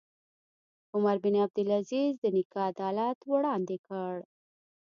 عمر بن عبدالعزیز د نیکه عدالت وړاندې کړ.